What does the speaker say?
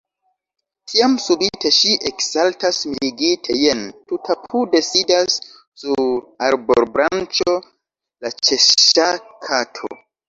Tiam subite ŝi eksaltas mirigite; jen, tutapude, sidas sur arbobranĉo la Ĉeŝŝa kato.